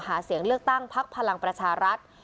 หาเสียงเลือกตั้งพักพลังประชารัฐ